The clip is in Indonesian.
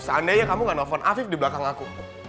seandainya kamu gak nelfon afif di belakang aku